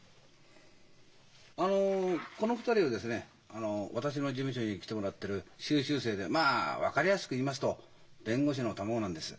あの私の事務所に来てもらっている修習生でまあ分かりやすく言いますと弁護士の卵なんです。